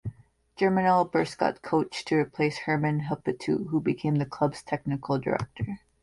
Germinal Beerschot coach to replace Herman Helleputte who became the club's technical director.